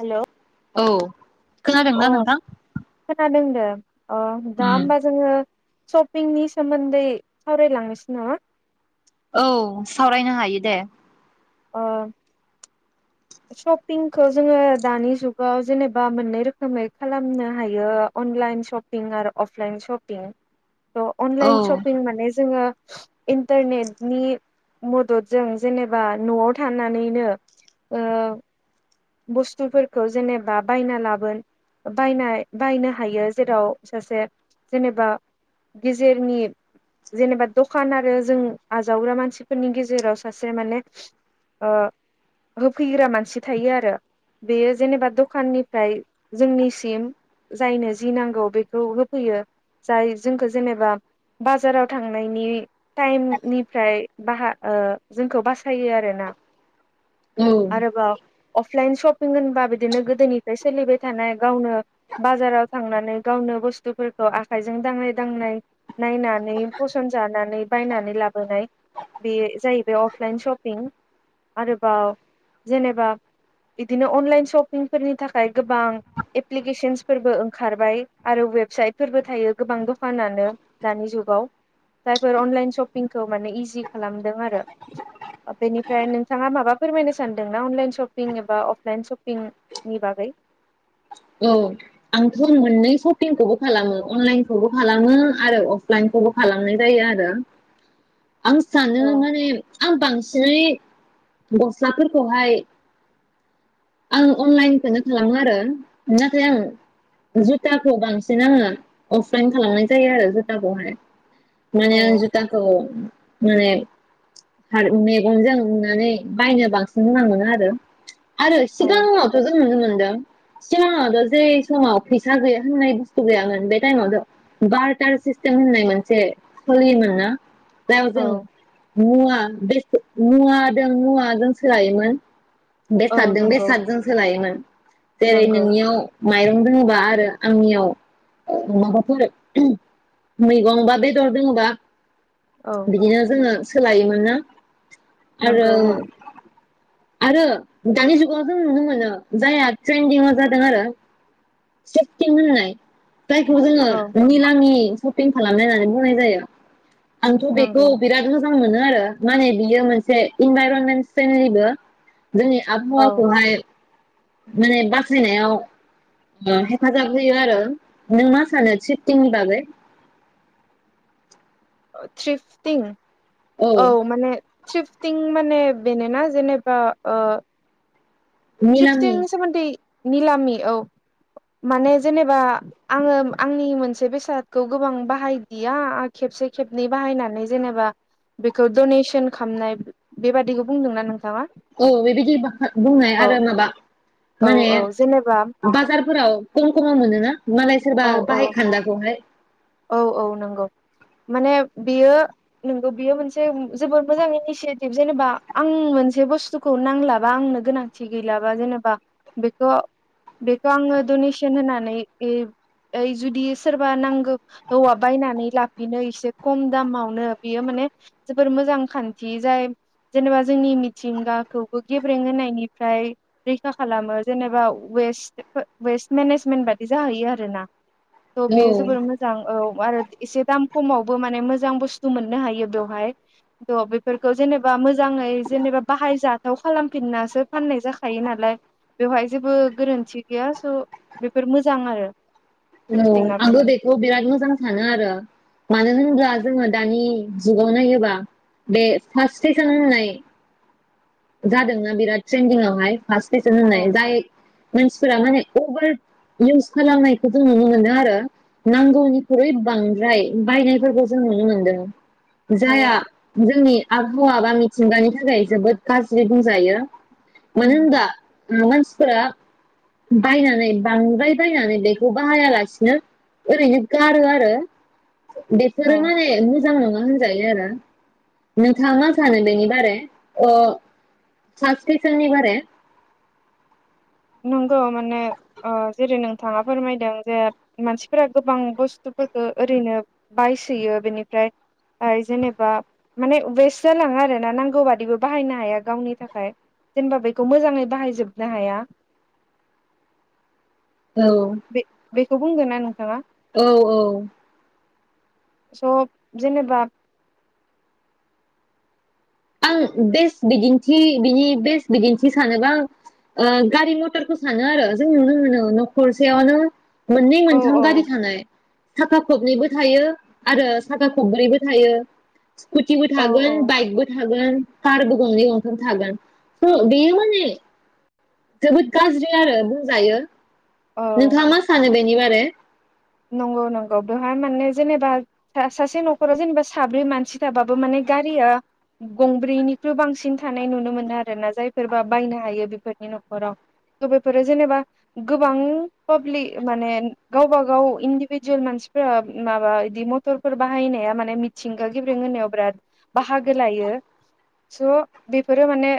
Hello. औ अ खोनादोंना नोंथां खोनादों। [unintelligible] अ दा होमबा जोङो। शपिंनि सोमोन्दै सावरायलांनोसै नामा औ सावरायनो हायो दे। अ शपिंखौ जोङो दानि जुगाव जेनेबा मोननै रोखोमै खालामनो हायो अनलाइन शपिं आरो अफलाइन शपिं थ औ अनलाइन शपिं माने जोङो इन्टारनेटनि मददजों जेनेबा नआव थानानैनो ओ बुस्थुफोरखौ जेनेबा बायना लाबोन बायना बायनो हायो जेराव सासे जेनेबा गेजेरनि जेनेबा दखान आरो जों आजावग्रा मानसिफोरनि गेजेराव सासे माने ओ होफैग्रा मानसि थायो आरो बेयो जेनेबा दखाननिफ्राय जोंनिसिम जायनो जि नांगौ बेखौ होफैयो जाय जोंखौ जेनेबा बाजाराव थांनायनि टाइमनिफ्राय बाहा ओ जोंखौ बासायो आरोना औ आरोबाव अफलाइन सपिं होनबा बिदिनो गोदोनिफ्राय सोलिबाय थानाय गावनो बाजाराव थांनानै गावनो बुस्थुफोरखौ आखाइजों दांनाय दांनाय नायनानै फसनजानानै बायनानै लाबोनाय बे जाहैबाय अफलाइन सपिं आरोबाव जेनेबा बिदिनो अनलाइन शपिंफोरनि थाखाय गोबां एप्लिकेसन्सफोरबो ओंखारबाय आरो वेबसाइटफोरबो थायो गोबां दखानानो दानि जुगाव जायफोर अनलाइन शपिंखौ माने इजि खालामदों आरो बेनिफ्राय नोंथाङा माबा फोरमायनो सानदोंना अनलाइन शपिं एबा अफलाइन सपिंनि बागै औ आंथ मोननै सपिंखौबो खालामो अनलाइनखौबो खालामो आरो अफलाइनखौबो खालामनाय जायो आरो आं सानो औ माने आं बांसिनै गस्लाफोरखौहाय आं अनलाइनखौनो खालामो आरो नाथाय आं जुथाखौ बांसिन आङो अफलाइन खालामनाय जायो आरो जुथाखौहाय माने औ आं जुथाखौ माने मेगनजों नुनानै बायनो बांसिन मोजां मोनो आरो आरो औ सिगानियावथ' जों नुदों मोनदों सिगाङावथ' जे समाव फैसा गैया होननाय बुस्थु गैयामोन बे टाइमावथ' बारटार सिस्टेम होननाय मोनसे सलियोमोनना दा जों औ मुवा बेसाद मुवा दों मुवा जों सोलायोमोन। औ बेसादजों नंगौ बेसादजों सोलायोमोन जेरै नंगौ नोंनियाव माइरं दङोबा आरो आंनियाव माबाफोर मैगं बा बेदर दङोबा औ बिदिनो जोङो सोलायोमोन ना आरो नंगौ औ आरो दानि जुगाव जों नुनो मोनो जायहा ट्रेन्दिंआव जादों आरो सेफटिं होननाय जायखौ जोङो औ निलांनि । सपिं खालामनाय होननानै बुंनाय जायो। आंथ' बेखौ नंगौ बिराद मोजां मोनो आरो माने बियो मोनसे इनभाइरनमेन्ट फेनलिबो जोंनि औ आबहावाखौहाय माने बासायनायाव ओ हेफाजाब होयो आरो नों मा सानो सिफटिनि बागै थ्रिफ्टिं औ माने सिफटिं माने बेनोना जेनेबा ओ निलामि त्रिप्तनि सोमोन्दै निलामि औ माने जेनेबा आङो आंनि मोनसे बेसादखौ गोबां बाहायदिया खेबसे खेबनै बाहायनानै जेनेबा बेखौ डनेसन खालामामनाय बेबादिखौ बुंदोंना नोंथाङा? औ बेबादि बुंनाय औ आरो माबा औ माने औ जेनेबा बाजा फोराव खम खमाव मोनोना? मालाय सोरबा औ औ बाहाय खानदा खौहाय औ औ नंगौ माने बेयो नोंगौ बेयो मोनसे जोबोद मोजां इनिसियेटिभ जेनेबा आं मोनसे बुस्थुखौ नांलाबा आंनो गोनांथि गैलाबा जेनेबा बेखौ बेखौ आङो डनेसन होनानै ओ जुदि सोरबा नांगौ। औवा बायनानै लाफिनो एसे खम दामावनो बेयो माने जोबोर मोजां खान्थि जाय जेनेबा जोंनि मिथिंगाखौबो गेब्रें होनायनिफ्राय रैखा खालामो जेनेबा वेस्ट वेस्ट मेनेजमेन्ट बादि जाहैयो आरो ना दं औ बियो जोबोर मोजां औ आरो एसे दाम खमावबो माने मोजां बुस्थु मोननो हायो बेवहाय थ' बेफोरखौ जेनेबा मोजाङै जेनेबा बाहायजाथाव खालामफिननासो फाननाय जाखायो नालाय बेवहाय जेबो गोरोन्थि गैया स' बेफोर मोजां आरो। औ थ्रिफटिंआबो आंबो बेखौ बिरात मो मोजां सानो आरो मानो होनब्ला जोङो दानि जुगाव नायोबा बे फार्ट स्टेसन होननाय जादोंना बिरात ट्रेन्दिंआवहाय फार्स स्तेसन औ होननाय जाय मोन फोर माने अभार इउस खालामनायखौ जों नुनो मोनदों आरो नांगौनिख्रुइ बांद्राय बायनायफोरखौ जों नुनो मोनदों। जायहा औ जोंनि आ खहा‌बा मिथिंगानि थाखाय जोबोद‌ गाज्रि बुंजायो मानो उम होनब्ला ओ‌ मानस फोरा बायनानै बांद्राय बायनानै बेखौ बाहायालासिनो ओरैनो गारो आरो। बेफोरो औ माने मोजां नङा होन जायो आरो नोंथाङा मा सानो बेनि बारै ओ साबस्क्रिपसननि बारै नंगौ माने ओ जेरै नोंथाङा फोरमायदों जे मानसिफोरा गोबां बुस्थुफोरखौ ओरैनो बायसोयो बेनिफ्राय जेनेबा माने वेस्ट जालाङो आरोना नांगौ बादिबो बाहायनो हाया गावनि थाखाय जेनेबा बेखौ मोजाङै बाहायजोबनो हाया। औ। खौ बुंदोना नोंथाङा? औ औ स' जेनेबा आं बेस्ट बिदिन्थि बिनि बेस्ट बिदिन्थि सानोबा आं ओ गारि मथरखौ सानो आरो जों नुनो मोनो न'खरसेयावनो मोननै औ मोनथाम गारि थानाय। साखा खबनैबो थायो आरो साखा खबब्रैबो थायो। स्कुटिबो औ औ थागोन बाइकबो थागोन कारबो गंनै गंथाम थागोन त' बेयो माने जोबोद गाज्रि आरो बुंजायो। औ नोंथाङा मा सानो बे--? नि बारै? नंगौ नंगौ बेवहाय माने जेनेबा सासे न'खराव जेनेबा साब्रै मानसि थाबाबो माने गारिया गंब्रैनिख्रुइ बांसिन थानाय नुनो मोनो आरोना जायफोरबा बायनो हायो। बेफोरनि न'खराव थ' बेफोरो जेनेबा गोबां पाब्लिक माने गावबा गाव इन्दिभिजुवेल मानसिफोरा माबा इदि मथरफोर बाहायनाया माने मिथिंगा गेब्रें होनायाव बिराद बाहागो लायो। स' बेफोरो माने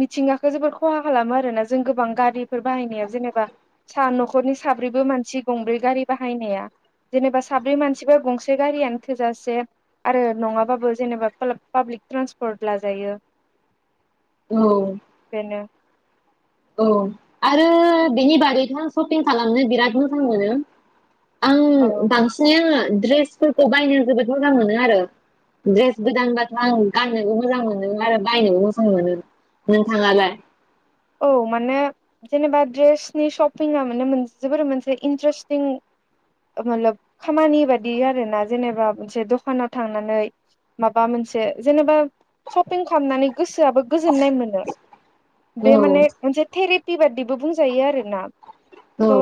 मिथिंगाखौ जोबोर खहा खालामो आरोना जों गोबां गारिफोर बाहायनायाव जेनेबा सा न'खरनि साब्रैबो मानसि गंब्रै गारि बाहायनाया जेनेबा साब्रै मानसिबो गंसे गारियानो थोजासे आरो नङाबाबो जेनेबा पा-पाब्लिक ट्रान्सपर्ट लाजायो। औ बेनो औ आरो बेनि बादैथ शपिं खालामनो बिराद मोजां मोनो। आं औ बांसिनै आङो‌ ड्रेसफोरखौ बायनो जोबोद मोजां मोनो आरो द्रेस गोदानबाथ' आं गाननोबो मोजां मोनो आरो बायनोबो मोजां मोनो। नोंथाङालाय? औ माने जेनेबा द्रेसनि शपिङा माने जोबोर मोनसे इन्ट्रेस्टिं मतलब खामानि बायदि‌ आरोना जेनेबा मोनसे दखानाव थांनानै माबा मोनसे जेनेबा शपिं खालामनानै गोसोआबो गोजोननाय मोनो। औ बे माने मोनसे थेरेक पि बादिबो बुंजायो आरोना। त'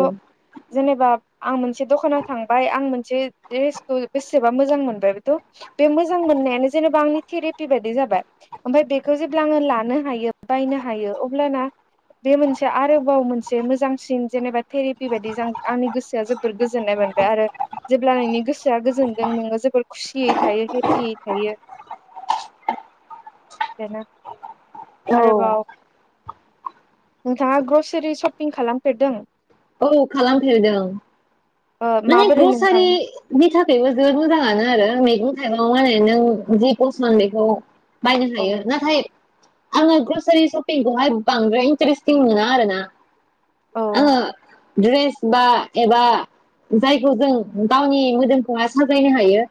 जेनेबा आं मोन मोनसे दखानाव थांबाय आं मोनसे जे द्रेसखौ बेसेबा मोजां मोनबाय बेथ' बे मोजां मोननायानो जेन'बा आंनि थेरेपि बायदि जाबाय। ओमफफ्राय बेखौ जेब्ला आङो लानो हायो बायनो हा हायो अब्लाना बे मोनसे आरोबाव मोनसे मोजांसिन जेनेबा थेरेपि बायदि थां आंनि गोसोआ जोबोर गोजोननाय मोनबाय आरो जेब्ला नोंनि गोसोआ गोजोनदों नोङो जोबोर खुसियै थायो हेपियै थायो। औ आरोबाव नोंथाङा ग्रसारि शपिं खालामफेरदों? औ खालामफेरदों। ओ माने माबोरै नोंथां ग्रसारिनि थाखायबो जोबोद मोजाङानो आरो मैगं ओरैनो जि पसन बेखौ [unintelligible] बायनो औ हायो नाथाय आङो ग्रसारि सपिंखौहाय बांद्राय इन्टारेस्टिं मोना आरो ना। औ आंङो ड्रेस बा एबा जायखौ जों गावनि मोदोमखौहाय साजायनो हायो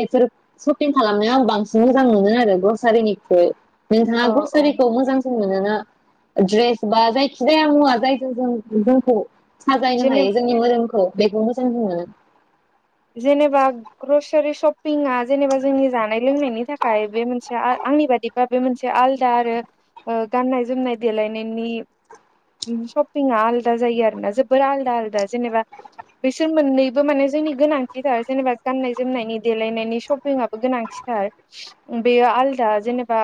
बेफोर सपिं खालामनायाव आं बांसिन मोजां मोनो आरो ग्रसारिनिख्रुइ। नोंथाङा औ औ ग्रसारिखौ मोजां मोनोना द्रेरस बा जायखि जाया मुवा जायजों जों जोंखौ साजायनो जेने हायो जोंनि मोदोमखौ। बेखौ मोजां बुङो। जेनेबा ग्रसारि सपिंआ जेनेबा जोंनि जानाय लोंनायनि थाखाय बे मोनसे आंनि बादिबा बे मोनसे आलदा आरो ओ गाननाय जोमनाय देलायनायनि सपिंआ आलदा जायो आरो ना जोबोर आलदा आलदा जेनेबा बेसोर मोननैबो माने जोंनि थाखाय गोनांथिथार जेनेबा गाननाय जोमनायनि देलायनायनि सपिंआबो गोनांथिथार बेयो आलदा जेनेबा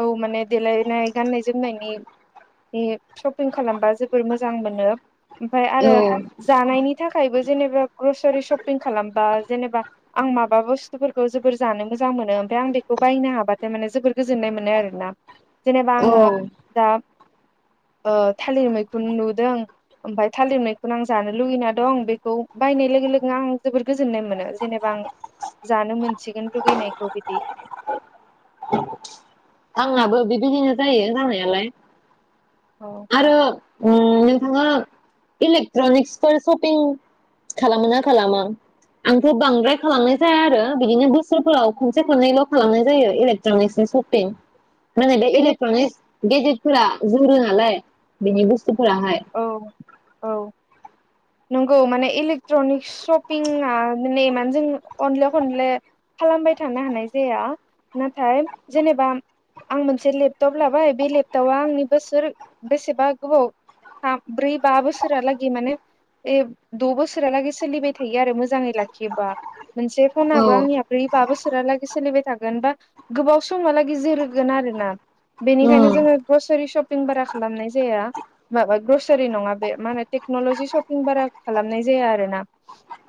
औ माने देलायनाय गाननाय जोमनायनि सपिं खालामबा जोबोर मोजां मोनो। ओमफाय आरो औ जानायनि थाखायबो जेनेबा ग्रस स [unintelligible] सपिं खालामबा जेनेबा आं माबा बुस्थुफोरखौ जोबोर जानो मोजां मोनो ओमफ्राय आं बेखौ बायनो हाबाथाय माने जोबोर गोजोननाय मोनो आरोना। जेनेबा औ आङो दा ओ थालिर मैखुन नुदों ओमफ्राय थालिर मैखुन आं जानो लुगैना दं बेखौ बायनाय लोगो लोगो आं जोबोर गोजोननाय मोनो जेनेबा आं जानो मोनसिगोन लुगैनायखौ बिदि। आंनाबो बेबायदिनो जायो जानायालाय औ आरो ओ नोंथाङा इलेक्ट्रनिक्सफोर शपिं खालामो ना खालामा? आंथ' बांद्राय खालामनाय जाया आरो बिदिनो बोसोरफोराव खनसे खननैल' खालामनाय जायो इलेक्ट्रनिक्सनि शपिं। माने बे इलेक इलक्ट्रनिक्स गेजेदफोरा जुरो नालाय बेनि बुस औ औ नंगौ माने इलेक्ट्रनिक शपिंआ माने मा जों खनले खनले खालामबाय थानो हानाय जाया नाथाय जेनेबा आं मोनसे लेपटप लाबाय बे लेपटपआ आंनि बोसोर बेसेबा गोबाव थाम ब्रै बा बोसोरालागै माने ए द' बोसोरालागै सोलिबाय थायो आरो मोजाङै लाखियोबा। मोनसे औ फनाबो आंनिया ब्रै बा बोसोरहालागै सोलिबाय थाग बा गोबाव समहालागि जोरोगोन आरोना। बेनिखायनो उम जोङो बोसोरि सब पिं बारा खालामनाय जाया। माबा बोसोरि नङा बे मा होनो टेक्न'लजि शपिं बारा खालामनाय जाया आरो ना,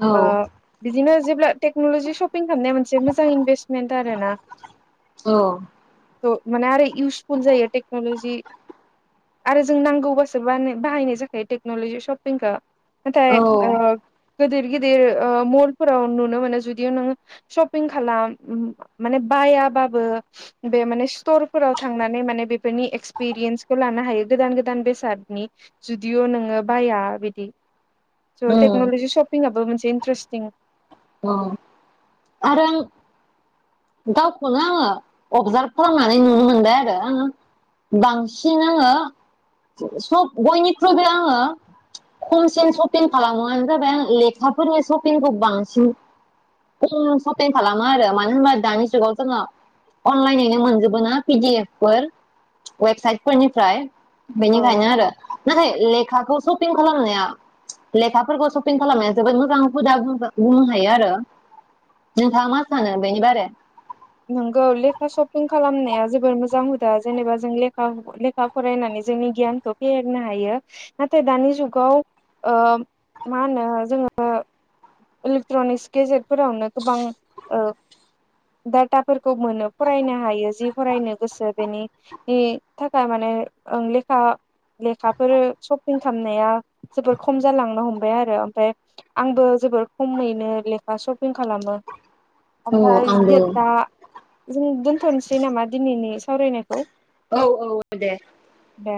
औ ओ बिदिनो जेब्ला टेक्नलजि शपिं खालामनाया मोनसे मोजां इनभेस्टमेन्ट आरो ना। औ थ' माने आरो इउसफुल जायो टेक्नलजि आरो जों नांगौबासो। बा बाहायनाय जाखायो टेक्नलजि शपिंखो नाथाय औ ओ गिदिर-गिदिर ओ महरफोराव नुनो मोनो जुदि नोङो शपिं खालाम माने बायाबाबो बे माने स्टरफोराव थांनानै माने बेफोरनि एक्सपिरियेन्सखौ लानो हायो गोदान गोदान बेसाद। नि जुदिअ नोङो बाया बिदि। स' उम टेक्नलजि शपिं आाबबो मोनसे इन्ट्रेस्टिं ओ आरो आं गावखौनो आङो अबजार्भ खालामनानै नुनो मोनबाय आरो आङो बांसिन आङो सब बयनिख्रुइबो आङो खमसिन शपिं खालामोानो जाबाय आ लेखाफोरनि शपिंखौ बां न' सपिं खालामो आरो मानो होनबा दानि जुगाव जोङो अनलाइनैनो मोनजोबो ना पिडिएफ फोर वेबसाइटफोरनिफ्राय। औ बेनिफायनो आरो नाथाय ले लेखौ सपिं खालामनाया लेखाफोरखौ सपिं खालामनाया जोबोद मोजां हुदा मोजां बुंनो हायो आरो नोंथाङा मा सानो बेनि बारै? नोंगौ लेखा शपिं खालामनाया जोबोर मोजां हुदा जेनेबा जों लेखा लेखा फरायनानै जोंनि गियानखौ फेहेरनो हायो नाथाय दानि जुगाव ओ मा होनो जोङो इलेक्ट्रनिक्स गेजेटफोरावनो गोबां ओ डाटाफोरखौ मोनो फरायनो हायो जि फरायनो गोसो बेनि थाखाय माने लेखा लेखाफोर शपिं खालामनाया जोबोर खम जालांनो हमबाय आरो ओमफ्राय आंबो जोबोर खमैनो लेखा शपिं खालामो। औ ओमफ्राय आंबो दे दा जों दोन्थनोसै नामा दिनैनि सावरायनायखौ। औ औ औ दे। दे,